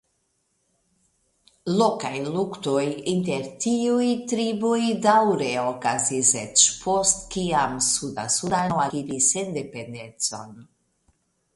Lokaj luktoj inter tiuj triboj daŭre okazis eĉ post kiam Suda Sudano akiris sendependecon.